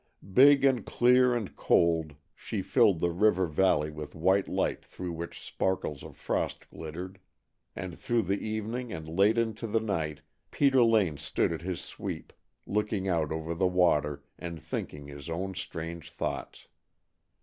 Big and clear and cold she filled the river valley with white light through which sparkles of frost glittered, and through the evening and late into the night Peter Lane stood at his sweep, looking out over the water and thinking his own strange thoughts.